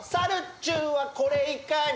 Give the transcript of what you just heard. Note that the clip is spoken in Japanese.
ちゅんはこれいかに？